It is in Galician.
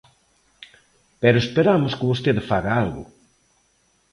Pero esperamos que vostede faga algo.